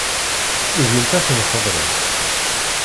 Ugint ad ten-xebbrent.